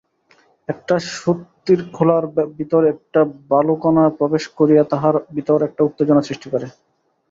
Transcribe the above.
একটা শুক্তির খোলার ভিতর একটু বালুকণা প্রবেশ করিয়া তাঁহার ভিতর একটা উত্তেজনা সৃষ্টি করে।